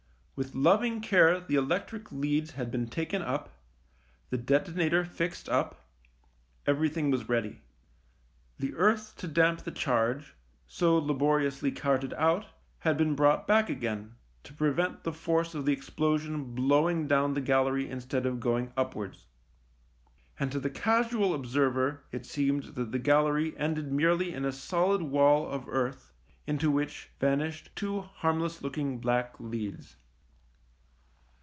With loving care the electric leads had been taken up, the detonator fixed up — everything was ready. The earth to damp the charge, so laboriously carted out, had been brought back again, to prevent the force of the explosion blowing down the gallery instead of going upwards. And to the casual observer it seemed that the gallery ended merely in a solid wall of earth, into which vanished two harmless looking black leads.